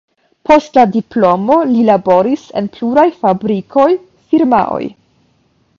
Post la diplomo li laboris en pluraj fabrikoj, firmaoj.